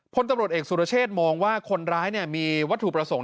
พลตำรวจเอกสุรเชษฐ์มองว่าคนร้ายมีวัตถุประสงค์